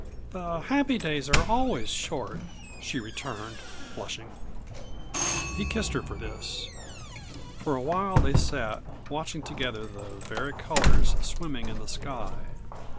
"The happy days are always short," she returned, blushing. He kissed her for this. For a while they sat, watching together the vari colors swimming in the sky.